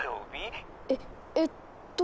えっ？えっと。